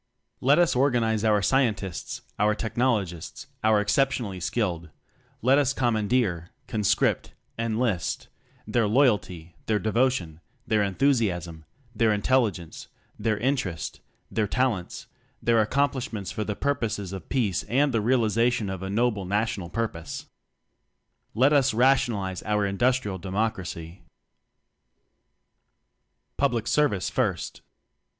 Let us organize our scientists, our technologists, our exceptionally skilled; let us commandeer, conscript, enlist, their loyalty, their devotion, their enthusiasm, their intelligence, their interest, their talents, their ac complishments for the purposes oi Peace and the realization of a Noble National Purpose. Let us rationalize our Industrial De mocracy! Public Service First.